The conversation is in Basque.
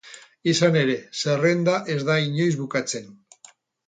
Izan ere, zerrenda ez da inoiz bukatzen.